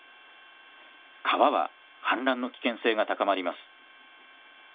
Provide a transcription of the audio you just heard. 川は氾濫の危険性が高まります。